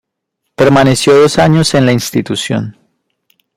Permaneció dos años en la institución.